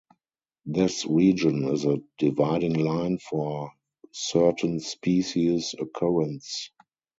This region is a dividing line for certain species occurrence.